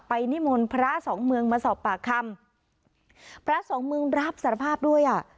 นิมนต์พระสองเมืองมาสอบปากคำพระสองเมืองรับสารภาพด้วยอ่ะ